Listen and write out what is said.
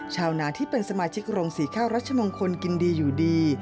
ชาวนาที่เป็นสมาชิกโรงสีข้าวรัชมงคลกินดีอยู่ดี